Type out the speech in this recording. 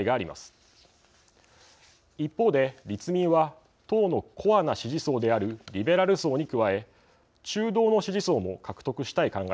一方で立民は党のコアな支持層であるリベラル層に加え中道の支持層も獲得したい考えです。